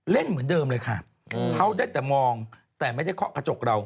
เล่นเหมือนเดิมเลยค่ะเขาได้แต่มองแต่ไม่ได้เคาะกระจกเรา